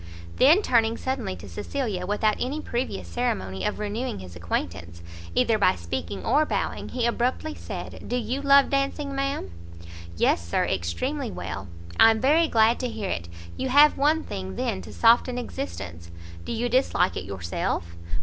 Then, turning suddenly to Cecilia, without any previous ceremony of renewing his acquaintance, either by speaking or bowing, he abruptly said "Do you love dancing, ma'am?" "Yes, Sir, extremely well." "I'm very glad to hear it. You have one thing, then, to soften existence." "Do you dislike it yourself?"